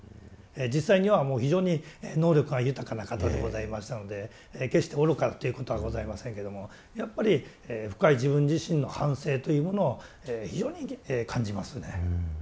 実際には非常に能力が豊かな方でございましたので決して愚かということはございませんけどもやっぱり深い自分自身の反省というものを非常に感じますね。